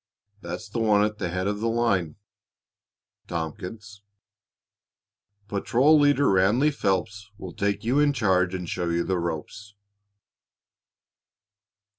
That's the one at the head of the line, Tompkins. Patrol leader Ranleigh Phelps will take you in charge and show you the ropes."